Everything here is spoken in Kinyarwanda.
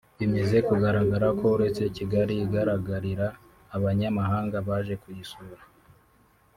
bimeze kugaragara ko uretse Kigali igaragarira abanyamahanga baje kuyisura